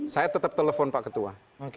saya tetap telepon pak ketua